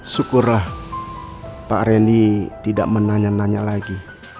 syukurlah pak reni tidak menanya nanya lagi